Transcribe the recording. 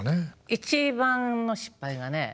一番の失敗がね